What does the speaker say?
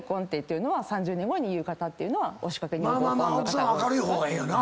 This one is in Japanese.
奥さんは明るい方がええよな。